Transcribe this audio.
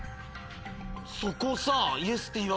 そこをさ。